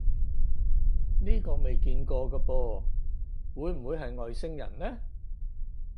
呢個未見過嘅噃，會唔會係外星人呢？